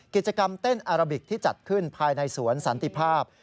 กิจกรรมเต้นอาราบิกที่จัดขึ้นภายในสวนสันติภาพ